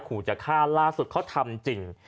ขู่จะฆ่าล่าสุดเขาทำจริง